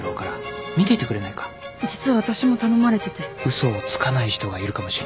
嘘をつかない人がいるかもしれない。